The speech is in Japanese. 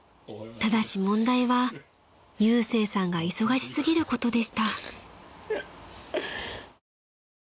［ただし問題はゆうせいさんが忙し過ぎることでした］